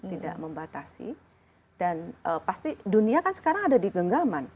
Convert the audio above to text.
tidak membatasi dan pasti dunia kan sekarang ada di genggaman